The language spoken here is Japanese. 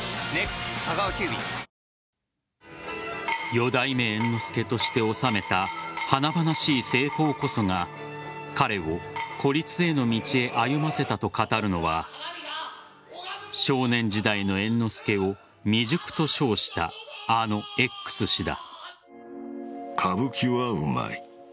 四代目猿之助として収めた華々しい成功こそが彼を孤立への道へ歩ませたと語るのは少年時代の猿之助を未熟と称したあのＸ氏だ。